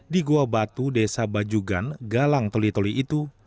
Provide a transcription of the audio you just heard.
di goa batu desa bajugan galang toli toli itu